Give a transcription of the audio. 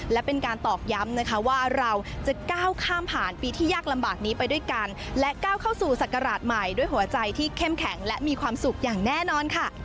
และเป็นการตอกย้ำนะคะว่าเราจะก้าวข้ามผ่านปีที่ยากลำบากนี้ไปด้วยกันและก้าวเข้าสู่ศักราชใหม่ด้วยหัวใจที่เข้มแข็งและมีความสุขอย่างแน่นอนค่ะ